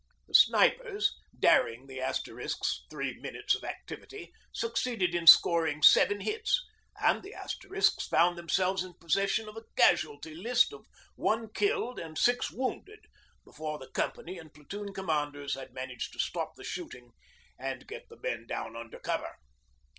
The snipers, daring the Asterisks' three minutes of activity, succeeded in scoring seven hits, and the Asterisks found themselves in possession of a casualty list of one killed and six wounded before the Company and platoon commanders had managed to stop the shooting and get the men down under cover.